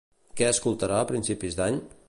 Què escoltarà a principis d'any?